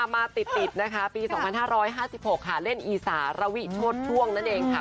มาติดปี๒๕๐๐๕๖เล่นอีสารวิโชนทั่วงนั่นเองค่ะ